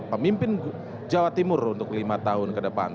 pemimpin jawa timur untuk lima tahun ke depan